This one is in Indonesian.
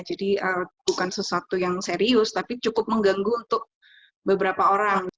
jadi bukan sesuatu yang serius tapi cukup mengganggu untuk beberapa orang